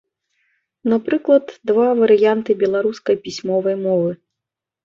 Напрыклад, два варыянты беларускай пісьмовай мовы.